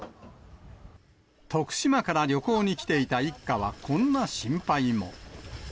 徳島から旅行に来ていた一家はこんな心配も。